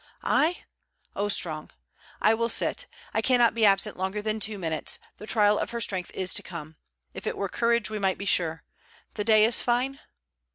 'I? Oh, strong. I will sit. I cannot be absent longer than two minutes. The trial of her strength is to come. If it were courage, we might be sure. The day is fine?'